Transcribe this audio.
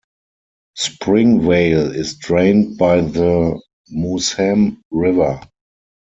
Springvale is drained by the Mousam River.